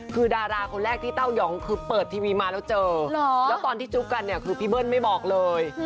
คือดาราคนแรกที่เต้ายองคือเปิดทีวีมาแล้วเจอแล้วตอนที่จุ๊บกันเนี่ยคือพี่เบิ้ลไม่บอกเลย